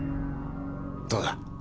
どうだ？